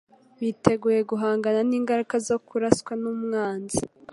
Biteguye guhangana n'ingaruka zo kuraswa n'umwanzi.